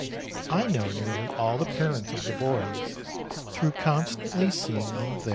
I know nearly all the parents of the boys, through con stantly seeing them there.